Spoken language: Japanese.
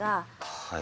はい。